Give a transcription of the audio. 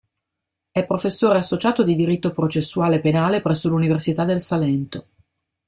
È professore associato di diritto processuale penale presso l'Università del Salento.